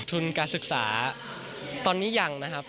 ทุนการศึกษาตอนนี้ยังนะครับ